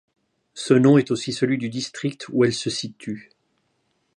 Ce nom est aussi celui du district où elles se situent.